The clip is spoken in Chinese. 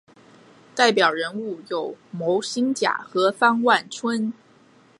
代表人物有牟兴甲和方万春。